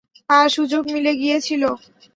আজ সুযোগ মিলে গিয়েছিল।